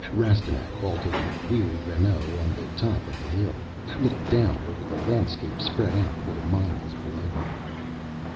Rastignac halted the weary Renault on the top of a hill, looked down over the landscape spread out for miles below him.